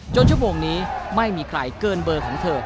ชั่วโมงนี้ไม่มีใครเกินเบอร์ของเธอ